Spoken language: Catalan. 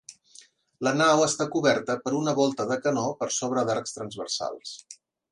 La nau està coberta per una volta de canó per sobre d'arcs transversals.